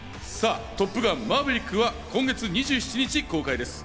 『トップガンマーヴェリック』は今月２７日公開です。